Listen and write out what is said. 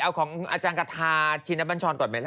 เอาของอาจารย์กระทาชินบัญชรก่อนไหมล่ะ